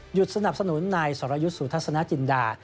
หยุดสนับสนุนในสรยุสุทธสนาจินดา